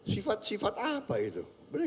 sifat sifat apa itu